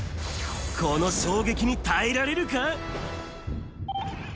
この衝撃に耐えられるか？